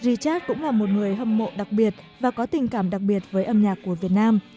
jart cũng là một người hâm mộ đặc biệt và có tình cảm đặc biệt với âm nhạc của việt nam